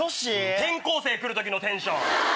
転校生来る時のテンション！